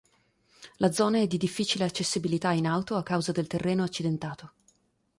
La zona è di difficile accessibilità in auto a causa del terreno accidentato.